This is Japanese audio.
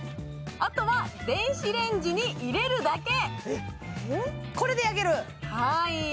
あとは電子レンジに入れるだけこれで焼ける？